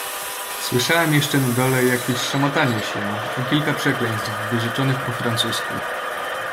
"Słyszałem jeszcze na dole jakieś szamotanie się i kilka przekleństw, wyrzeczonych po francusku."